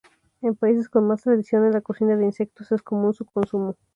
En países con más tradición en la cocina de insectos es común su consumo.